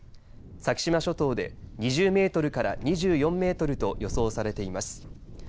先島諸島で２０メートルから２４メートルと予想されています。